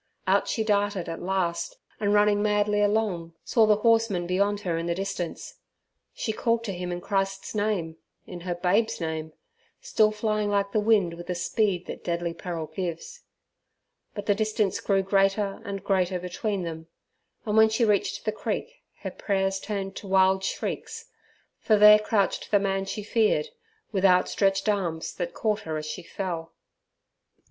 Out she darted at last, and running madly along, saw the horseman beyond her in the distance. She called to him in Christ's name, in her babe's name, still flying like the wind with the speed that deadly peril gives. But the distance grew greater and greater between them, and when she reached the creek her prayers turned to wild shrieks, for there crouched the man she feared, with outstretched arms that caught her as she fell.